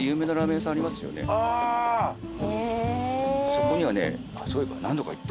そこにはね。